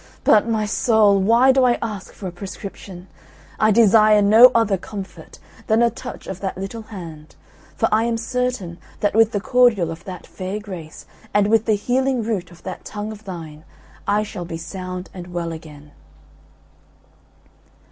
But, my soul, why do I ask for a prescription? I desire no other comfort than a touch of that little hand; for I am certain that with the cordial of that fair grace, and with the healing root of that tongue of thine, I shall be sound and well again."